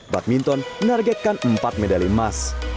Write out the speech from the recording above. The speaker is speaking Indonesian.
badminton menargetkan empat medali emas